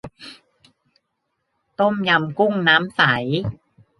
ต้มยำกุ้งน้ำใส